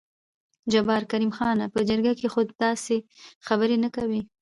جبار: کريم خانه په جرګه کې خو دې داسې خبرې نه کوې.